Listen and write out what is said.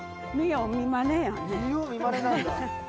見よう見まねなんだ。